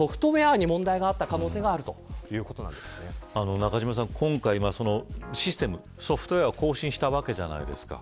中島さん、今回システム、ソフトウエアを更新したわけじゃないですか。